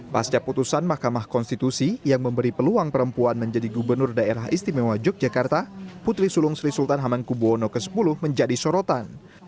pasca putusan mahkamah konstitusi yang memberi peluang perempuan menjadi gubernur daerah istimewa yogyakarta putri sulung sri sultan hamengkubwono x menjadi sorotan